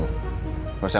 gak usah ngacoin